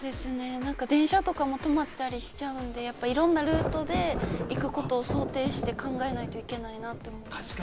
電車とかも止まったりするんで、いろんなルートで行くことを想定して考えないといけないなと思います。